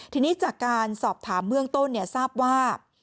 ทีนี้จากการสอบถามเบื้องต้นทราบว่า